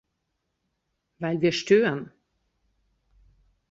Weil wir stören.